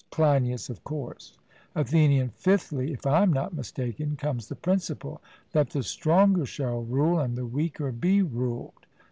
CLEINIAS: Of course. ATHENIAN: Fifthly, if I am not mistaken, comes the principle that the stronger shall rule, and the weaker be ruled?